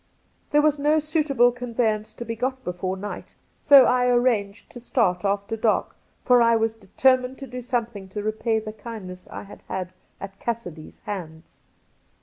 There was no suitable conveyance to be got before night, so I arranged to start after dark, for I was determined to do something to repay the kindness I had had at Cassidy 's hands.